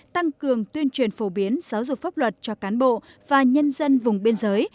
tăng cường tuyên truyền phổ biến giáo dục pháp luật cho cán bộ và nhân dân vùng biên giới